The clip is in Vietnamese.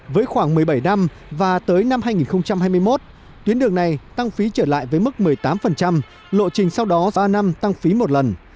với khoảng một mươi bảy năm và tới năm hai nghìn hai mươi một tuyến đường này tăng phí trở lại với mức một mươi tám lộ trình sau đó ra năm tăng phí một lần